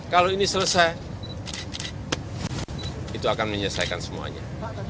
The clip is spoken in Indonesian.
kalau ini selesai itu akan menyelesaikan semuanya